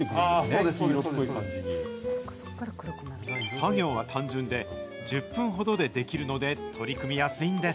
作業は単純で、１０分ほどでできるので取り組みやすいんです。